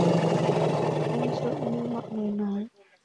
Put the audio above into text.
Em sợ như mọi người nói